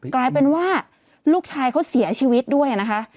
กลายเป็นว่าลูกชายเขาเสียชีวิตด้วยนะคะ